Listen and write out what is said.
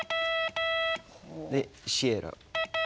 で、シエラ。